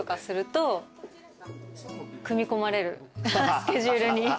スケジュールに。